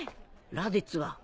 ラディッツは？